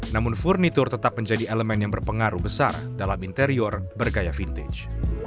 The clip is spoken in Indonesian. namun furnitur tetap menjadi elemen yang berpengaruh besar dalam interior bergaya vintage